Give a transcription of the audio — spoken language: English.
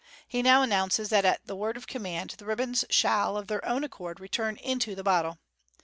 He now announces that, at the word of command, the ribbons shall, of their own accord, return into the bottle.